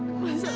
aku belum gagal